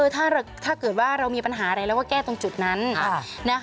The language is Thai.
ถ้าเกิดว่าเรามีปัญหาอะไรเราก็แก้ตรงจุดนั้น